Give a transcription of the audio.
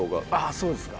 そうですか。